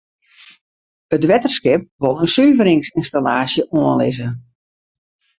It wetterskip wol in suveringsynstallaasje oanlizze.